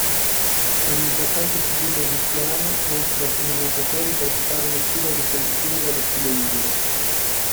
Un importante sigillo egiziano mostra alcuni nuotatori praticare uno stile riconducibile allo stile libero.